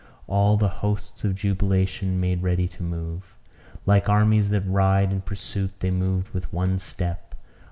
All the hosts of jubilation made ready to move. Like armies that ride in pursuit, they moved with one step.